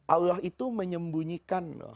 allah itu menyembunyikan